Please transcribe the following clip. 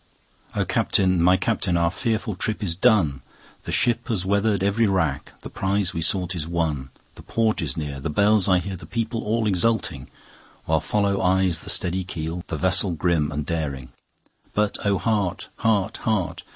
O CAPTAIN! my Captain! our fearful trip is done, The ship has weather'd every rack, the prize we sought is won, The port is near, the bells I hear, the people all exulting, While follow eyes the steady keel, the vessel grim and daring; But O heart! heart! heart!